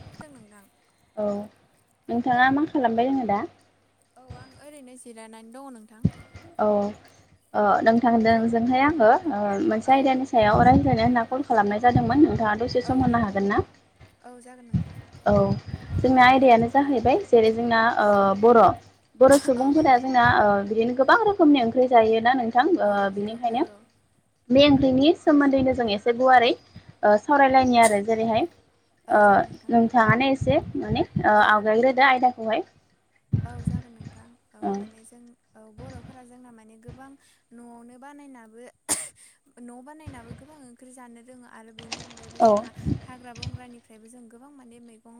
[unintelligible] औ नोंथाङा मा खालामबाय दोङो दा? औ आं ओरैनो जिरायनानै दङ नोंथां। औ ओ नोंथांदोंजोंहाय आङो ओ मोनसे औ आयदानि सा सायाव रायज्लायनो होनना कल खालामनाय जादोंमोन नोंथाङा दसे औ सम होनो नोंगौ हागोन ना औ जागोन नोंथां। औ जोंना आयदायानो जाहैबाय जेरै जोंना औ ओ बर' बर' औ सुबुंफोरा नंगौ जोंना ओ बिदिनो गोबां रोखोमनि ओंख्रि जायोना नों थां ओ औ नंगौ बिनिखायनो नंगौ बे ओंख्रिनि सोमोन्दैनो जों एसे गुवारै ओ सावरायलायनि आरो जेरैहाय औ ओ जागोन नोंथां। नोंथाङानो एसे माने ओ औ आवगायग्रोदो आयदाखौहाय। औ जागोन नोंथां औ माने जों औ बर'फोरा जोंना माने गोबां न'आवनो बानायनाबो न'आव बानायनाबो गोबां ओंख्रि जानो रोङो। आरो बेनि अनगायैबो औ जोंहा हाग्रा बंग्रानिफ्रायबो जों गोबां माने मैगं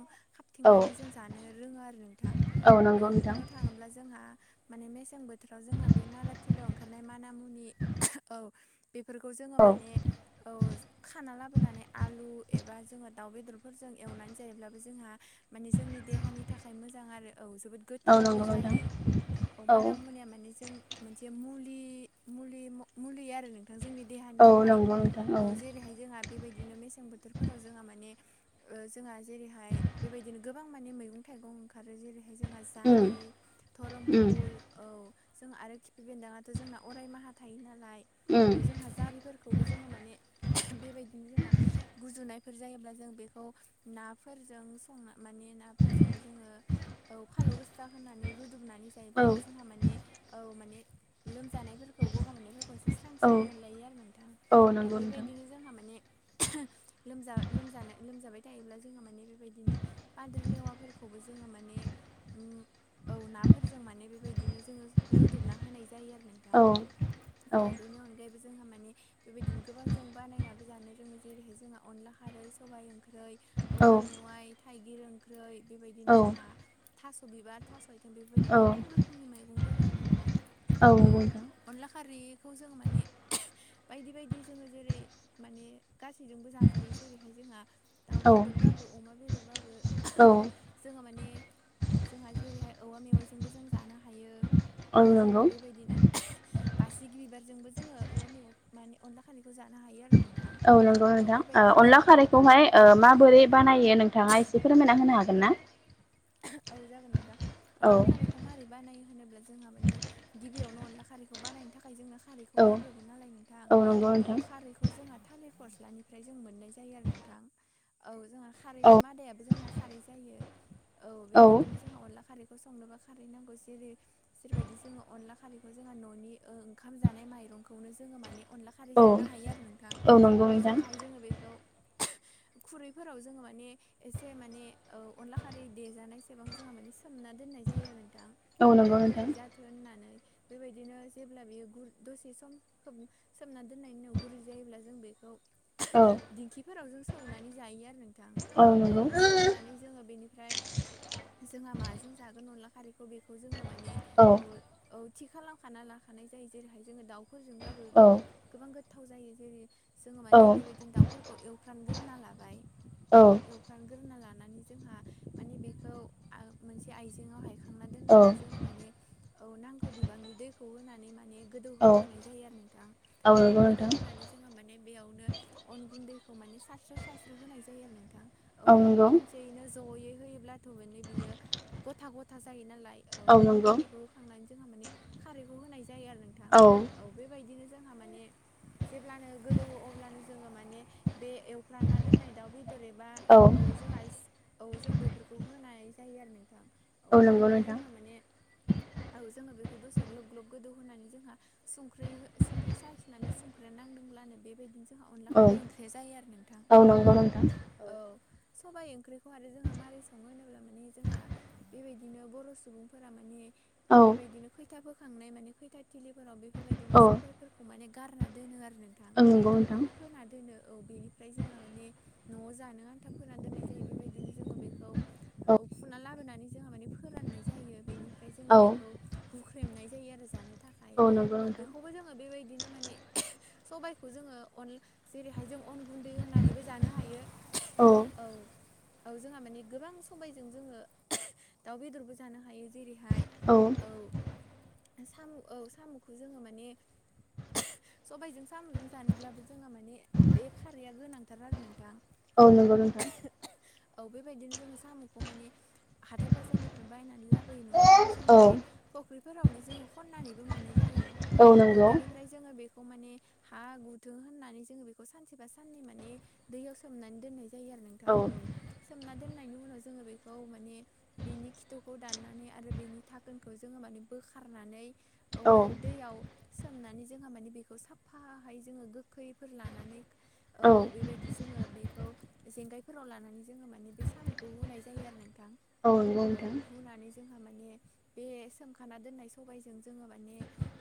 औ खाबथिंनानै जों जानो रोङो आरो नोंथां औ नंगौ नोंथां बुंनो थाङोब्ला जोंहा माने मेसें बोथोराव जोंहा बे नाराथिलियाव ओंखारनाय मानामुनि औ। बेफोरखौ जोङो औ माने औ खाना लाबोनानै आलु एबा जोङो दाउ बेदरफोरजों एवनानै जायोब्लाबो जोंहा माने जोंनि देहानि थाखाय मोजां आरो औ जोबोद औ गोथावबो नंगौ नोंथां जायो औ मानामुनिया माने जों मोनसे मुलि मुलि म मुलि आरो नों थां जोंनि देहानि औ थाखाय नंगौ नोंथां औ जेरैहाय जोंहा बेबायदिनो मेसें बोथोरफोराव जोंहा माने ओ जोंहा जेरैहाय बेबायदिनो गोबां माने मैगं थाइगं ओंखारो जेरैहाय जोंहा उम दारि उम धरमफुल औ जों आरो खिफि बेन्दोंङाथ' जोंना अरायमाहा थायो नालाय उम औ जोंहा जारि फोरखौबो जोङो माने बेबायदिनो जोंहा गुजुनायफोर जायोब्ला जों बेखौ नाफोरजों संना माने ना फोरजों जोङो औ फालौ गोस जाहोनानै रुदुबनानै औ जायोब्लाबो जोंहा माने औ माने लोमजानायफोरखौ गगा मोननायफोर खौ एसे स्रां औ स्रां मोनलायो आरो नोंथां औ नंगौ नोंथां बेबायदिनो जोंहा माने लोमजा लोमजानाय लोमजाबाय थायोब्ला जोंहा माने बेबायदिनो पाद्रि लेवाफोरखौबो जोङो माने उम औ नाफोरजों माने बेबायदिनो जोङो रुदुबना होनाय जायो आरो नोंथां औ औ बेनि अनगायैबो जोंहा माने बेबायदिनो गोबां जों बानायनाबो जानो रोङो जेरैहाय जोंहा अनला खारै सबाइ ओंख्रै औ औवा मेवाइ थाइगिर ओंख्रै बेबायदिनो औ जोंहा थास' बिबार [unintelligible] बेफोरबायदि गोबां रोखोमनि मैगं दोङो आरो नोंथां औ। अनला खारिखौ जोङो माने बायदि बायदि जोङो जेरै माने गासैजोंबो जाजायो जेरैहाय जोंहा दाउ औ बेदरबाबो अमा बेदरबाबो औ। जोङो माने जोंहा जेरैहाय औवा मेवाइजोंबो जों जानो हायो औ जोंहा बेबायदिनो बासिगि बिबारजोंबो जोङो औवा मेवाइ माने अनला खारैखौ जानो हायो आरो नों औ नंगौ नोंथां ओ अनला खारैखौहाय औ ओ औ माबोरै बानायो नोंथाङा एसे फोरमायना होनो हागोन ना? औ जागोन नोंथां औ अनला खारैखौ खौ मारै बानायो होनोब्ला जोंहा माने गिबियावनो अनला खारैखौ बानायनो थाखाय जोंनो खारैखौ औ नांग्रोगौ नालाय नोंथां औ नंगौ औ नोंथां खारैखौ जोंहा थालिर फस्लानिफ्राय जों मोननाय जायो आरो नोंथां औ जोंहा औ खारैनि मादायाबो जोंना खारै जायो औ बेबायदिनो जोंहा अनला खारैखौ संनोबा खारै नांगौ जेरै जेरैबायदि जोङो अनला खारैखौ जोंहा न'नि ओ ओंखाम जानाय माइरंखौनो जोङो माने अनला खारै औ जानो हायो आरो नोंथां नंगौ औ नोंथां जेरैहाय जोङो बेखौ खुरैफोराव जोङो माने एसे माने ओ अनला खारै रै देजानायसेबां जोंहा माने सोमना दोननाय जायो आरो नोंथां औ नंगौ नोंथां गुरै जाथों होननानै। बेबायदिनो जेब्ला बेयो गुर दसे सम खोब सोमना दोननायनि उनाव गुरै जायोब्ला जों बेखौ औ दिंखिफोराव जों सौनानै जायो आरो नोंथां औ सौनानै जोङो बेनि ओमफ्राय जोंहा माजों जागोन अनला खारैखौ बेखौ जोङो माने औ औ थि खालामखाना लाखानाय जायो जेरैहाय जोङो दाउफोरजोंबाबो औ गोबां गोबां गोथाव जायो जेरै जोङो औ माने बेबायदिनो दाउफोरखौ एवफ्रामग्रोना लाबाय औ फ्रामगोरना लानानै जोंहा माने बेखौ आ मोनसे आइजेंआवहाय खोमना औ दोननानै जोङो माने औ नांगौ बिबांनि दैखौ होनानै माने गोदौ औ होगोरनाय जायो आरो नोंथां औ नंगौ गोदौ नोंथां होनानै जों जोंहा माने बेयावनो अन गुन्दैखौ माने सारस्रो सारस्रो होनाय जायो आरो नोंथां। औ खनसेयैनो जयै होयोब्लाथ' माने बियो गथा गथा जायो नालाय औ अन गुन्दैखौ होखांनानै जोंहा माने खारैखौ होनाय जायो आरो नोंथां। औ औ बेबायदिनो जोंहा माने जेब्लानो गोदौवो अब्लानो जोङो माने बे एवफ्रामना दोननाय दाउ बेदर एबा औ खौ जोंहास औ जों बेफोरखौ होनाय जायो आरो नोंथां। औ नंगौ बेनिफ्राय नोंथां जोंहा माने औ जोङो बेखौ दसे ग्लब ग्लब गोदौ होनानै जोंहा संख्रै हो संख्रै साखिनानै संख्रैया नांदोंब्लानो बेबायदिनो जोंहा अनला औ खारै ओंख्रिया जायो आरो नोंथां। औ नंगौ नोंथां औ सबाइ ओंख्रिखौ आरो जोंहा मारै सङो होनोब्ला माने जोंहा बेबायदिनो बर' सुबुंफोरा माने औ बेबायदिनो खै खैथा फोखांनाय माने खैथा थिलिफोराव बेफोरबायदिनो औ ओं सबायफोरखौ माने गारना दोनो आरो नों थां नंगौ नोंथां औ फोना दोनो। औ बेनिफ्राय जोंहा माने न'आव जानो आन्था फोना दोननाय जायो बेबायदिनो जोङो बेखौ औ फुना लाबोनानै जोंहा माने फोराननाय जायो बेनिफ्राय जोङो औ बेखौ हुख्रेमनाय जायो आरो जानो थाखाय नंगौ औ नोंथां बेखौबो जों ओ बेबायदिनो माने स'बायखौ जोङो अनला जेरैहाय जों अन गुन्दै होनानैबो जानो हायो औ। औ जोंहा माने गोबां स'बायजों जोङो दाउ बेदरबो जानो हायो जेरैहाय औ औ साम' औ साम'खौ जोङो माने सबायजों साम'जों जानोब्लाबो जोंहा माने बे खारैया गोनांथार आरो नोंथां। औ नंगौ नोंथां। औ बेबायदिनो जोङो साम'खौ माने हाथाय बाजारनिफ्राय बायनानै लाब बोयो नांङाब्ला जोंहा औ बे बख्रिफोराबो जोंहा खननानैबो मोननाय जायो। औ बेनि ओमफ्राय जोङो बेखौ माने हा गुथुं होननानै जोङो बेखौ सानसे बा साननै माने दैयाव सोमनानै दोननाय जायो आरो नोंथां औ सोमना दोननायनि उनाव जोङो बेखौ माने बिनि खिथुखौ दाननानै आरो बिनि धाखोनखौ जोङो माने बोखारनानै औ माने दैयाव सोमनानै जोंहा माने बेखौ साफाहाय जोङो गोखैफोर लानानै औ बेबायदि जोङो बेखौ जेंगायफोराव लानानै जोङो माने बे साम खौ हुनाय जायो आरो नोंथां औ नंगौ औ नोंथां हुनानै जोंहा माने बे सोमखाना दोननाय सबायजों जोङो माने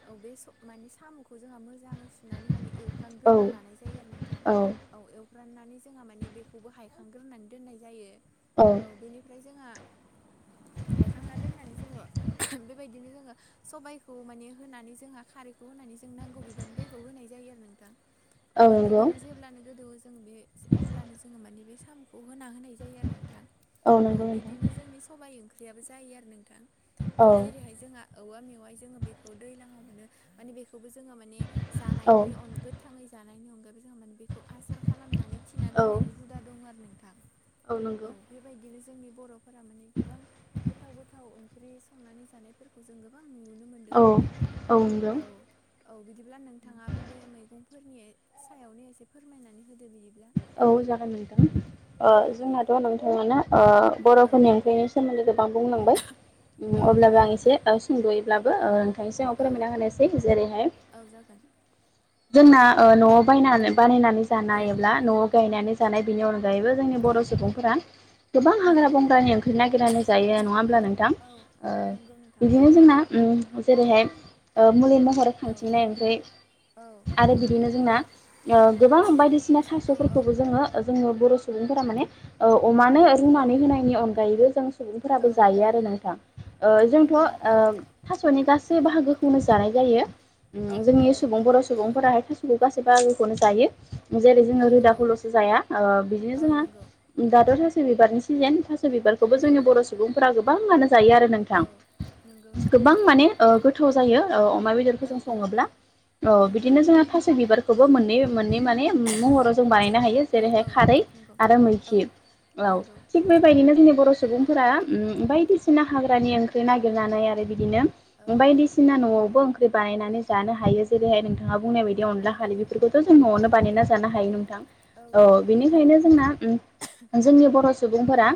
औ बे माने साम'खौ जोंहा मोजाङै फुनानै माने एव फानग्रोना औ लानाय जायो आरो नोंथां औ एवफ्राननानै जोंहा माने बेखौबो हायखांग्रोनानै दोननाय जायो। औ बेनिफ्राय जोंहा हायखांना दोननानै जोङो बेबायदिनो जोङो सबायाइखौ माने होनानै जोंहा खारै होनानै जों नांगौ बिबां दै खौ होनाय जायो आरो नोंथां औ बे नंगौ बायदि जे अब्लानो गोदौवो जोङो बे अब्लानो जोङो मानि बे साम'खौ होना होनाय जायो आरो नोंथां। औ नंगौ नोंथां बिदिनो जोंनि सबाइ ओंख्रियाबो जायो आरो नोंथां औ जेरैहाय जोंहा औवा मेवाय जोङो बेखौ दैज्लाङाव मोनो माने बेखौबो जोङो माने औ जानायनि अन थाङै जानायनि अनगायैबो जोंहा माने बेखौ आसार खालामनानै थिनानै औ दोननायबो हुदा आरो नोंथां। औ नंगौ औ बेबायदिनो जोंनि बर'फोरा माने गोबां गोथाव गोथाव ओंख्रि संनानै जानायफोरखौ जों गोबां नुनो मोन दों औ आरो नोंथां औ। औ बिदिब्ला नोंथाङाबो बे मैगंफोरनि सायावनो एसे फोरमायनानै होदो बिदिब्ला औ जागोन नोंथां ओ औ औ जोंनाथ' नोंथाङानो ओ औ बर'फोरनि ओंख्रिनो सोमोन्दै गोबां बुंलांबाय औ अब्लाबो नंगौ आं नोंथां एसे सुंद'यैब्लाबो ओ [unintelligible] सिगाङाव औ फोरमायना होनोसै जेरैहाय औ जागोन जोंना ओ न'आव बायनानै बानायनानै औ जानाय हब्ला न'आव गायनानै जानाय बेनि अनगा गायैबो जोंनि औ बर' सुबुंफोरा गोबां औ हाग्रा बंग्रानि ओंख्रि नागिरनानै जायो नङा होमब्ला नोंथां? औ नंगौ ओ नोंथां बिदिनो जोंना उम जेरैहाय मुलि महर औ खांथिनाय ओमफ्राय औ आरो बिदिनो जोंना ओ गोबां बायदिसिना औ औ थास'फोरखौबो जोङो जोङो बर' सुबुंफोरा माने ओ अमानो औ रुनानै होनायनि अनगायैबो जों औ सुबुंफोराबो जायो आरो नोंथां ओ औ जोंथ' नंगौ ओ नोंथां थास'नि गासै बाहागोखौ नो जानाय जायो औ ओ जोंनि नंगौ सुबुं बर' सुबुंफोराहाय थास गासैबो आगोखौनो जायो जेरै जोङो औ नंगौ रोदाखौल'सो जाया ओ बिदिनो औ जोंङो नंगौ दाथ' थास' बिबारनि सिजोन थास' बिबारखौबो जोंनि नंगौ बर' सुबुंफोरा गोबाङानो जायो आरो नोंथां औ नंगौ नोंथां गोबां माने ओ गोथाव जायो अमा बेदरखौ औ जों औ सङोब्ला औ नंगौ बिदिनो जोङो थास' बिबारखौबो मोननै मोननै माने महराव जों बानायनो हायो औ जेरैहाय औ खारै नंगौ आरो औ मैखि औ नंगौ थिग बेबायदिनो जोंनि बर' सुबुंफोरा उम बायदिसिना हाग्रानि ओंख्रि नागिरनानै आरो औ बिदिनो बायदिसिना न'आवबो ओंख्रि बानायनानै जानो हायो जेरैहाय नोंथाङा बुंनाय बाय बे औ अनला खारै नंगौ बेफोरखौथ' जों औ न'आवनो नंगौ बानायना नोंथां जानो हायो नोंथां। औ नंगौ बेनिखायनो नोंथां जोंना उ जोंनि बर' सुबुंफोरा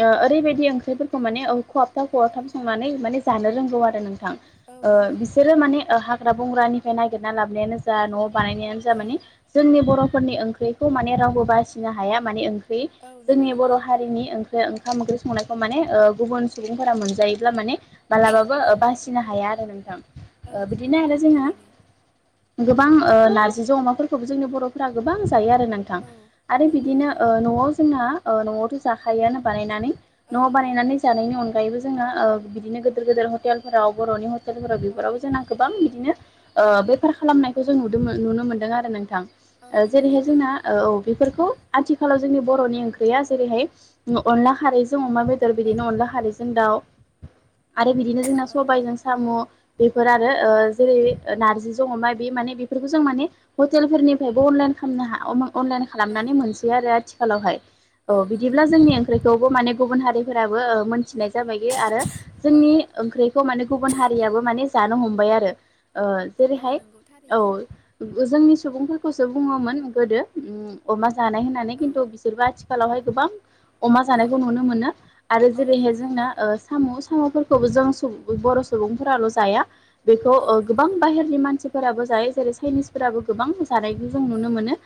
ओ ओरैबायदि ओंख्रिफोरखौ माने ओ खहाबथाब खवाबथाब संनानै माने जानो रोंगौ आरो नोंथां। औ ओ नंगौ नोंथां बिसोरो माने हाग्रा-बंग्रानिफ्राय नागिरना लाबोनायानो जा न'आव बानायनायानो जा औ माने जोंनि बर'फोरनि ओंख्रिखौ माने रावबो बासिनो हाया माने ओं ख्रि औ नंगौ जोंनि नोंथां बर' हारिनि ओं बे ओंखाम ओंख्रि संनायखौ माने ओ गुबुन सुबुंफोरा मोनजायोब्ला माने मालाबाबो ओ औ औ बासिनो हाया आरो नोंथां। औ ओ नंगौ बिदिनो आरो नोंथां जोङो थारैनो गोबां ओ नारजिजों अमाफोरखौबो जोंनि बर'फोरा गोबां जायो आरो ना नों थां औ आरो नंगौ बिदिनो नोंथां ओ न'आव जोंना ओ न'आवथ' जाखायोआनो बानायनानै औ न'आव औ बानायनानै जानायनि अन गायैबो जोंङो ओ बिदिनो गिदिर गिदिर हटेलफोराव बर'नि हटेलफोराव औ बेफोरावबो जोंना गोबां बिदिनो ओ बेफार खालामनायखौ जों नुदों नुनो मोनदों आरो नोंथां। औ ओ नंगौ जेरैहाय नोंथां जोंना औ औ बेफोरखौ आथिखालाव जोंनि बर'नि ओंख्रिया जेरैहाय ओ अनला खारैजों अमा बे दर औ बिदिनो अनला खारैजों दाउ आरो बिदिनो जोंना औ औ सबायजों साम' बेफोर आरो औ ओ नंगौ जेरै ओ नारजिजों अमा बे माने बेफोरखौ जों माने हटेल फोरनिफ्रायबो अनलाइन खालामनो हा अनलाइन औ खालामनानै मोनसै आरो आथिखालावहाय औ नंगौ बिदिब्ला नोंथां जोंनि ओंख्रिखौबो माने गुबुन हारिफोराबो ओ मोनथिनाय जाबाय आरो औ जोंनि ओंख्रिखौ माने गुबुन हारियाबो माने जानो हमबाय आरो ओ औ जेरैहाय नंगौ औ थारैनो जोंनि सुबुंफोरखौसो बुङोमोन गोदो उम अमा जानाय होननानै औ खिन्थु बि सोरबो आथिखालावहाय गोबां अमा औ जानायखौ नुनो मोनो आरो औ जेरैहाय नंगौ जोंना नोंथां ओ साम' साम'फोरखौबो जों सुबुं बर' सुबुंफोराल' जाया बेखौ औ ओ गोबां नंगौ बाहेर नि मानसिफोराबो जायो जेरै चाइनिसफोराबो गोबां जानायखौ जों औ मोनो।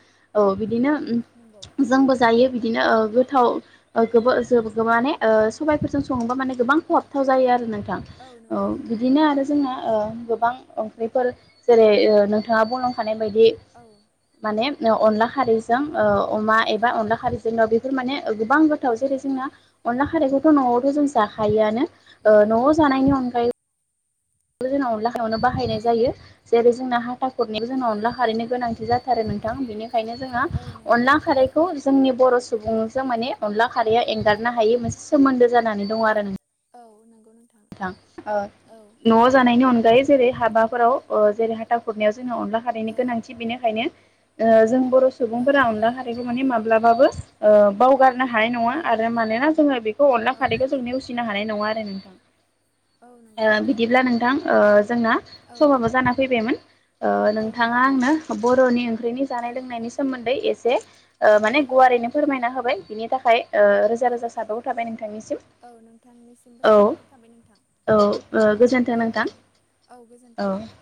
औ बिदिनो नंगौ उ जोंबो जायो बिदिनो ओ गोथाव ओ गोबो जोबो गोबां माने ओ सबायफोरजों सङोबा माने गोबां औ खहाबथाव जायो आरो नोंथां औ नंगौ नोंथां बिदिनो नंगौ आरो जोंना ओ गोबां ओंख्रिफोर जेरै ओ नोंथाङा बुंलांखानाय बायदि औ माने ओ अनला खारैजों ओ अमा औ एबा अनला खारैजोंनो बेफोर माने ओ गोबां गोथाव औ जेरै नंगौ जोंना अनला खारैखौथ' न'आवथ' जों जाखायोआनो ओ नंगौ न'आव औ जानायनि अनगायै बो जोंना अनला खारैयानो औ बाहायनाय जायो जेरै जोंना हाथा खुरनायखौ जोंना नंगौ अनला नोंथां खारैनो गोनांथि जाथारो नों थां बेनिखायनो जोङो औ नंगौ अनला खारै खौ जोंनि बर' सुबुंजों माने अनला खारैया एंगारनो हायै मोनसे सोमोन्दो जानानै दं आरो नों औ नंगौ नों थां। ओ न'आव जानायनि अनगायै जेरै हाबाफोराव ओ जेरै हाथा खुरनायाव जोङो अनला खारैनि औ गोनांथि बेनिखायनो ओ जों बर' औ सुबुंफोरा नंगौ अनला खारैखौ माने माब्लाबाबो ओ बावगारनो हानाय नङा औ आरो मानोना जोङो बेखौ अनला औ खारैखौ नंगौ जों नेवसिनो हानाय नङा आरो नोंथां। औ नंगौ ओ नोंथां बिदिब्ला नंगौ नोंथां ओ जोंना औ समाबो जाना फैबायमोन। ओ औ नोंथाङा नंगौ नोंथां आंनो बर'नि ओंख्रिनि औ जानाय लोंनायनि सोमोन्दै एसे ओ औ माने औ गुवारैनो फोरमायना होबाय बिनि थाखाय ओ औ रोजा रोजा साबायखर थाबाय नोंथांनिसिम। औ नोंथांनिसिमबो औ साबायखर थाबाय नोंथां औ ओ गोजोन्थों दे नोंथां। बिदि औ। गोजोन्थों नोंथां